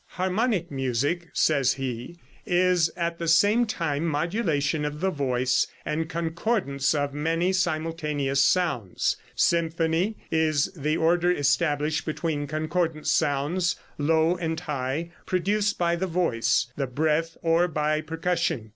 "Harmonic music," says he, "is at the same time modulation of the voice, and concordance of many simultaneous sounds. Symphony is the order established between concordant sounds, low and high, produced by the voice, the breath or by percussion.